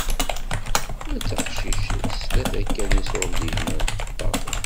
Ma d taqcict s tlata kan n iṣurdiyen n lfeṭṭa.